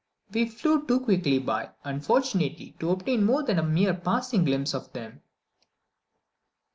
We flew too quickly by, unfortunately, to obtain more than a mere passing glimpse of them.